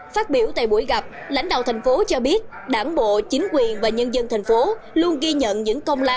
phát biểu tại buổi gặp lãnh đạo thành phố cho biết đảng bộ chính quyền và nhân dân thành phố